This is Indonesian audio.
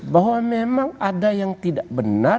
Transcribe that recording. bahwa memang ada yang tidak benar